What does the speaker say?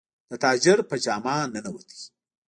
د تاجر په جامه ننووت.